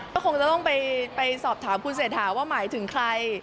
ก็คงจะต้องไปสอบถามคุณเศรษฐาว่าหมายถึงใคร